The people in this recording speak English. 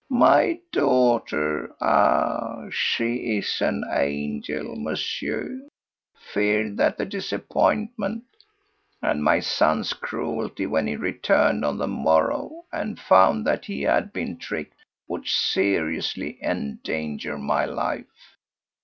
My daughter—ah! she is an angel, Monsieur—feared that the disappointment and my son's cruelty, when he returned on the morrow and found that he had been tricked, would seriously endanger my life.